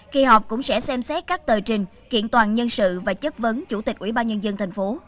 kỳ họp cũng sẽ xem xét các tờ trình kiện toàn nhân sự và chất vấn chủ tịch ủy ban nhân dân thành phố